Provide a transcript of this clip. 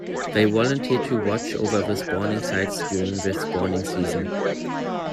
They volunteer to watch over the spawning sites during the spawning season.